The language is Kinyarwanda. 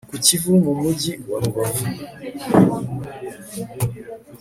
ku Kivu mu mugi wa Rubavu